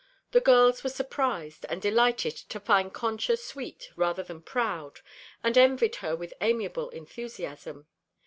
The girls were surprised and delighted to find Concha sweet rather than proud and envied her with amiable enthusiasm.